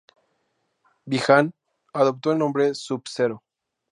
Bi-Han adoptó el nombre Sub-Zero.